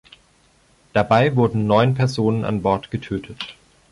Dabei wurden neun Personen an Bord getötet.